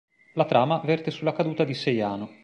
La trama verte sulla caduta di Seiano.